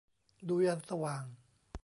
ดูยันสว่าง